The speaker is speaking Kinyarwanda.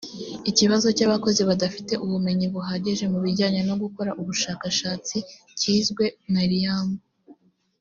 ikibazo cy’ abakozi badafite ubumenyi buhagije mu bijyanye no gukora ubushashatsi kizwe nariam